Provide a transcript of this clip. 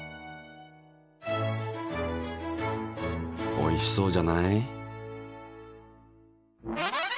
おいしそうじゃない？